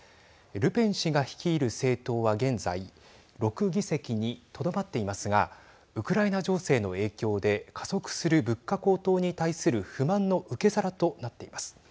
ルペン氏が率いる政党は現在６議席にとどまっていますがウクライナ情勢の影響で加速する物価高騰に対する不満の受け皿となっています。